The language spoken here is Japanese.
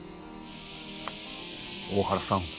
大原さん